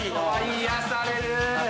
癒やされる。